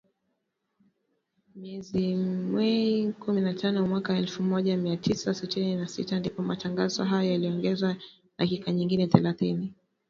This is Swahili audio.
Mwezi Mei kumi na tano, mwaka elfu moja mia tisa sitini na sita , ndipo matangazo hayo yaliongezewa dakika nyingine thelathini